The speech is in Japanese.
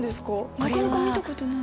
なかなか見たことない。